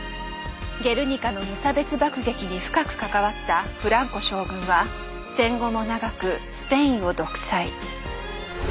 ゲルニカの無差別爆撃に深く関わったフランコ将軍は戦後も長くスペインを独裁。